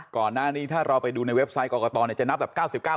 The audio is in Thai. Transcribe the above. ก่อนหน้านี้ถ้าเราไปดูในเว็บไซต์กรกตจะนับแบบ๙๙